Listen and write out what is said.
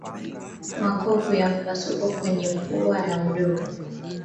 Makovu ya mipasuko kwenye mdomo na pua